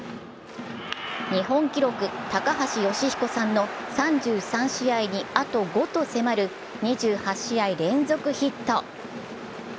日本記録、高橋慶彦さんの３３試合にあと５と迫る２８試合連続ヒット。